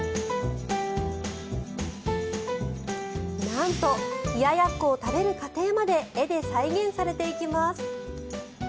なんと冷ややっこを食べる過程まで絵で再現されていきます。